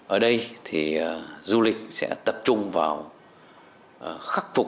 ở đây thì du lịch sẽ tập trung vào khắc phục